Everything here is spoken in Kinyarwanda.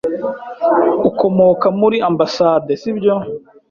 Ukomoka muri ambasade, si byo?